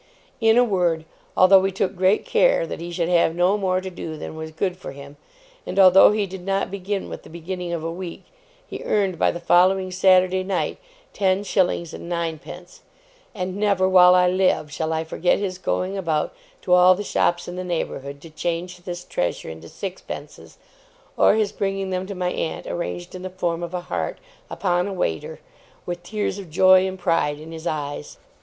In a word, although we took great care that he should have no more to do than was good for him, and although he did not begin with the beginning of a week, he earned by the following Saturday night ten shillings and nine pence; and never, while I live, shall I forget his going about to all the shops in the neighbourhood to change this treasure into sixpences, or his bringing them to my aunt arranged in the form of a heart upon a waiter, with tears of joy and pride in his eyes.